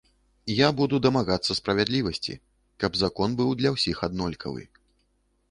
Я буду дамагацца справядлівасці, каб закон быў для ўсіх аднолькавы.